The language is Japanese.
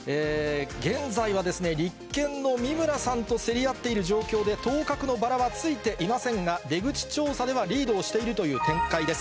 現在は立憲の三村さんと競り合っている状況で、当確のバラはついていませんが、出口調査ではリードをしているという展開です。